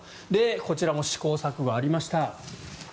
こちらも試行錯誤がありました。